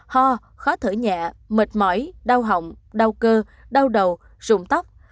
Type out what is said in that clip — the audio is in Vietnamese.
ho khó thở nhẹ mệt mỏi đau hỏng đau cơ đau đầu rụng tóc